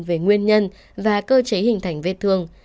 về nguyên nhân và cơ chế hình thành vết thương